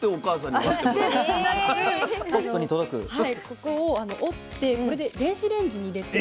ここを折ってこれで電子レンジに入れて。